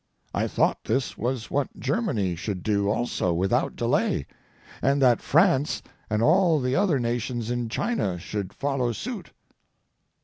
I thought this was what Germany should do also without delay, and that France and all the other nations in China should follow suit.